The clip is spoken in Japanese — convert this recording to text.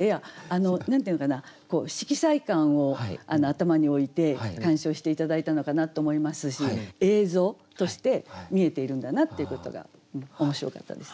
いや何て言うのかな色彩感を頭に置いて鑑賞して頂いたのかなと思いますし映像として見えているんだなっていうことが面白かったです。